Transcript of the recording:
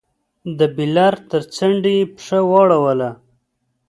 د بېلر تر څنډې يې پښه واړوله.